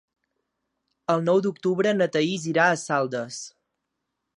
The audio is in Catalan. El nou d'octubre na Thaís irà a Saldes.